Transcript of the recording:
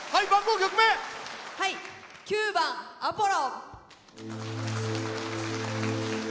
９番「アポロ」。